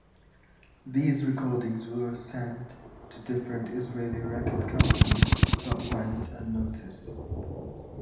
These recordings were sent to different Israeli record companies but went unnoticed.